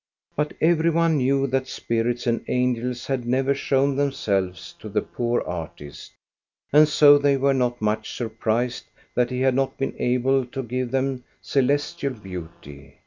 But every one knew that spirits and angels had never shown themselves to the poor artist, and so they were not much surprised that he had not been able to give them celestial beauty.